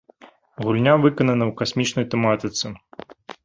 Гульня выканана ў касмічнай тэматыцы.